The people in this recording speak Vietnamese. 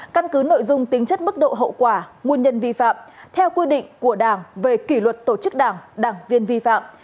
căn cứ nội dung tính chất mức độ hậu quả nguồn nhân vi phạm theo quy định của đảng về kỷ luật tổ chức đảng đảng viên vi phạm